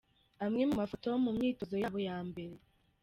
Amwe mu mafoto mu myitozo yabo ya mbere.